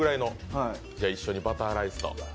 一緒にバターライスと。